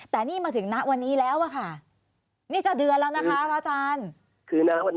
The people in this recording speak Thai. แต่นี่มาถึงนักวันนี้แล้วค่ะนี่จะเดือนแล้วนะคะพระอาจารย์